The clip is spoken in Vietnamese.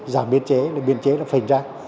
giảm biên chế biên chế là phình ra